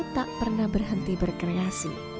tak pernah berhenti berkreasi